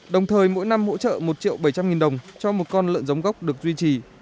đồng thời mỗi năm hỗ trợ một triệu bảy trăm linh nghìn đồng cho một con lợn giống gốc được duy trì